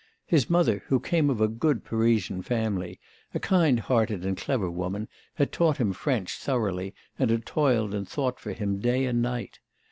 His mother, who came of a good Parisian family, a kind hearted and clever woman, had taught him French thoroughly and had toiled and thought for him day and night.